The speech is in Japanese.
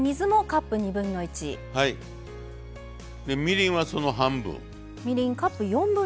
みりんはその半分。